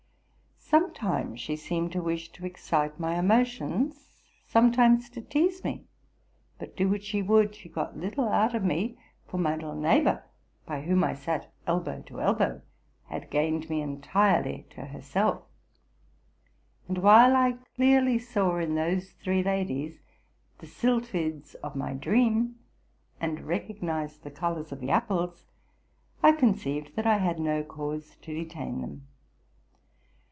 Sometimes she seemed to wish to excite my emotions, sometimes to tease me; but, do what she would, she got little out of me; for my little neighbor, by whom I sat elbow to elbow, had gained me entirely to herself: and while I clearly saw in those three ladies the sylphides of my dream, and recognized the colors of the apples, I conceived that I had no cause to detain them.